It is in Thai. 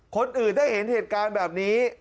คนอื่นถ้าเห็นเหตุการณ์แบบนี้